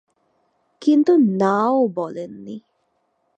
কিন্তু না ও বলেননি।